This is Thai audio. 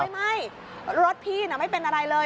ไม่รถพี่น่ะไม่เป็นอะไรเลย